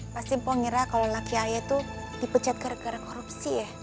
pasti mpo ngira kalau laki ayah itu dipecat gara gara korupsi ya